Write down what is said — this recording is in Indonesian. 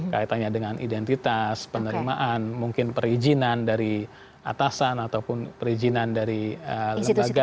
kaitannya dengan identitas penerimaan mungkin perizinan dari atasan ataupun perizinan dari lembaga